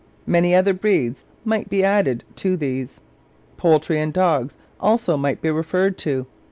Many other breeds might be added to these. Poultry and dogs also might be referred to.